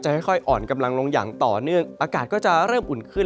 ค่อยอ่อนกำลังลงอย่างต่อเนื่องอากาศก็จะเริ่มอุ่นขึ้น